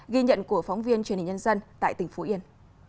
ghi nhận của phóng viên truyền hình nhân dân tại tỉnh phú yên